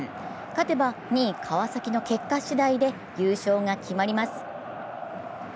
勝てば２位・川崎の結果しだいで優勝が決まります。